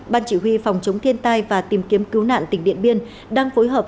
ban chỉ huy phòng chống thiên tai và tìm kiếm cứu nạn tỉnh điện biên đang phối hợp